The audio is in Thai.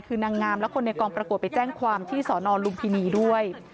คือนางงามและคนในกองประกวดไปแจ้งความที่สอนอลุมพินีด้วย